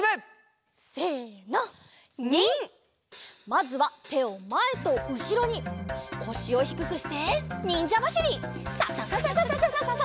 まずはてをまえとうしろにこしをひくくしてにんじゃばしり。ササササササ。